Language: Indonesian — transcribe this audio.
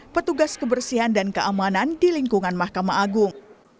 petugas kebersihan dan keamanan di lingkungan mahkamah agung